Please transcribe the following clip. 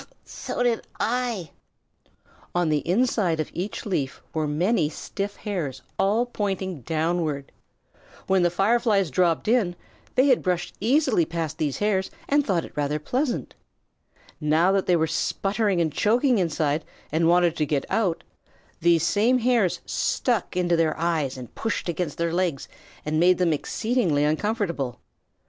So did I." On the inside of each leaf were many stiff hairs, all pointing downward. When the Fireflies dropped in, they had brushed easily past these hairs and thought it rather pleasant. Now that they were sputtering and choking inside, and wanted to get out, these same hairs stuck into their eyes and pushed against their legs and made them exceedingly uncomfortable.